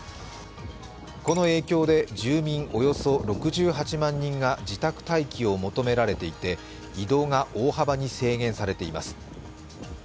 この影響で住民およそ６８万人が自宅待機を求められていて移動が大幅に制限されています。